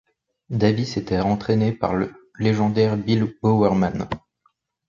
Davis était entraîné par le légendaire Bill Bowerman.